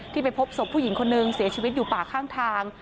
ไปพบศพผู้หญิงคนนึงเสียชีวิตอยู่ป่าข้างทาง